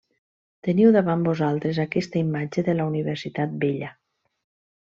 Teniu davant vosaltres aquesta imatge de la universitat vella.